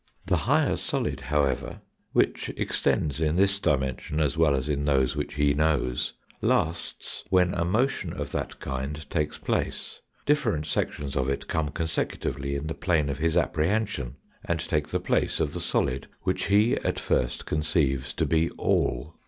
The higher solid, however, which extends in this dimension as well as in those which he knows, lasts when a motion of that kind takes place, different sections of it come consecutively in the plane of his apprehension, and take the place of the solid which he at first conceives to be all.